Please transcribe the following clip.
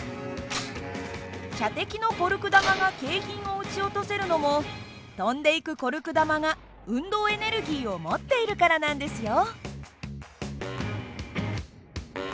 射的のコルク弾が景品を撃ち落とせるのも飛んでいくコルク弾が運動エネルギーを持っているからなんですよ。